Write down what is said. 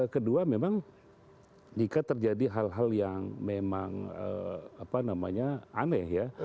kedua memang jika terjadi hal hal yang memang aneh ya